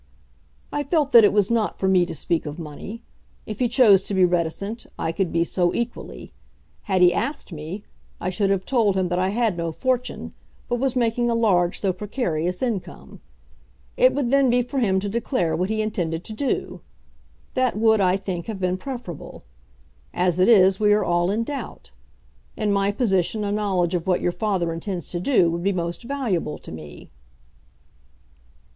"I felt that it was not for me to speak of money. If he chose to be reticent, I could be so equally. Had he asked me, I should have told him that I had no fortune, but was making a large though precarious income. It would then be for him to declare what he intended to do. That would, I think, have been preferable. As it is we are all in doubt. In my position a knowledge of what your father intends to do would be most valuable to me."